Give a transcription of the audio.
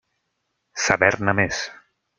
Saber-ne més.